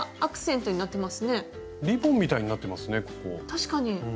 確かに。